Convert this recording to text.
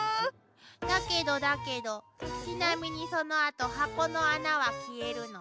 だけどだけどちなみにそのあと箱の穴は消えるの。